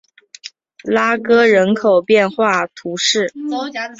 拉戈人口变化图示